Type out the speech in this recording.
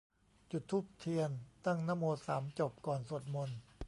จุดธูปเทียน ตั้งนะโมสามจบ ก่อนสวดมนต์